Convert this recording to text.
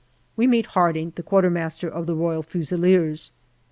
We meet Harding, the Q.M. of the Royal Fusiliers.